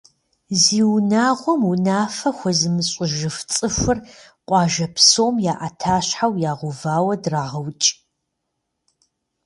Зи унагъуэм унафэ хуэзымыщӏыжыф цӏыхур къуажэ псом я ӏэтащхьэу ягъэувауэ драгъэукӏ!